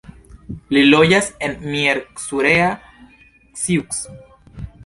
Li loĝas en Miercurea Ciuc.